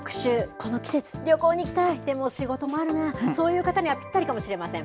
この季節、旅行に行きたい、でも仕事もあるな、そういう方にはぴったりかもしれません。